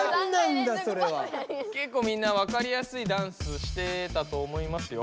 けっこうみんなわかりやすいダンスしてたと思いますよ。